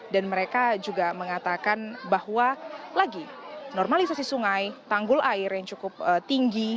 mereka juga mengatakan bahwa lagi normalisasi sungai tanggul air yang cukup tinggi